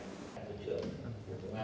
thời gian sau